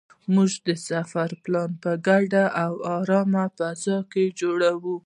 موږ د سفر پلان په ګډه او ارامه فضا کې جوړ کړ.